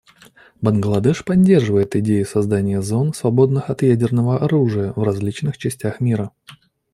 Бангладеш поддерживает идею создания зон, свободных от ядерного оружия, в различных частях мира.